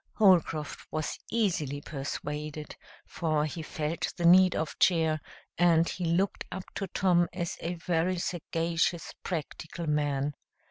Holcroft was easily persuaded, for he felt the need of cheer, and he looked up to Tom as a very sagacious, practical man.